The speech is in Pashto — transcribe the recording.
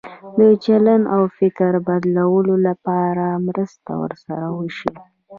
د چلند او فکر بدلولو لپاره مرسته ورسره وشي.